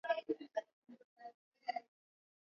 ambaye ni mroho wa madaraka wa kiwango hicho